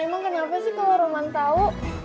emang kenapa sih kalau roman tahu